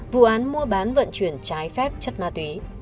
vụ án mua bán vận chuyển trái phép chất ma túy